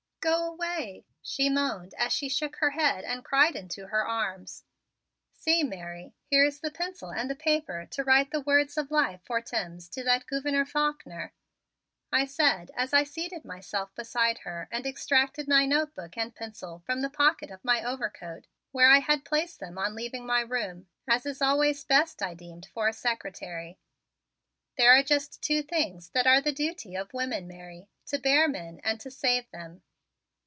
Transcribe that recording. "Go away," she moaned as she shook her head and cried into her arms. "See, Mary: Here is the pencil and the paper to write the words of life for Timms to that Gouverneur Faulkner," I said as I seated myself beside her and extracted my notebook and pencil from the pocket of my overcoat where I had placed them on leaving my room as is always best, I deemed, for a secretary. "There are just two things that are the duty of women, Mary: to bear men and to save them.